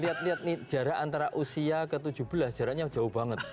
lihat lihat nih jarak antara usia ke tujuh belas jaraknya jauh banget